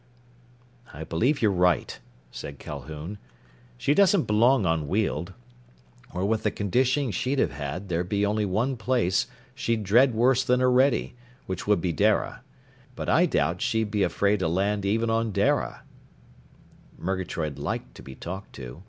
_" "I believe you're right," said Calhoun. "She doesn't belong on Weald, or with the conditioning she'd have had, there'd be only one place she'd dread worse than Orede, which would be Dara. But I doubt she'd be afraid to land even on Dara." Murgatroyd liked to be talked to.